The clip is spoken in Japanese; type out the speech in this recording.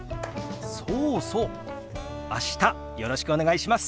そうそう明日よろしくお願いします。